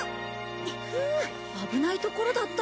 フウ危ないところだった。